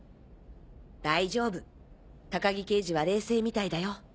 大丈夫高木刑事は冷静みたいだよ。